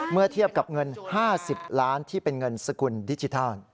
เมื่อเทียบกับเงิน๕๐ล้านที่เป็นเงินสกุลดิจิทัล